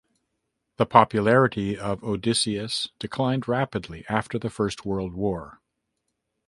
The popularity of "Odysseus" declined rapidly after the First World War.